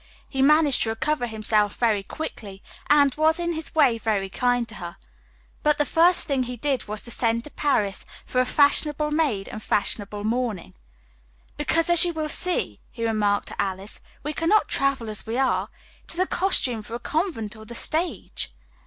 He managed to recover himself very quickly, and was, in his way, very kind to her; but the first thing he did was to send to Paris for a fashionable maid and fashionable mourning. "Because, as you will see," he remarked to Alice, "we cannot travel as we are. It is a costume for a convent or the stage."